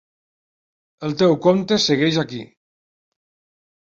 El teu compte segueix aquí.